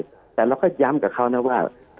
คุณหมอประเมินสถานการณ์บรรยากาศนอกสภาหน่อยได้ไหมคะ